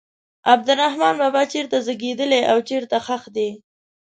عبدالرحمان بابا چېرته زیږېدلی او چیرې ښخ دی.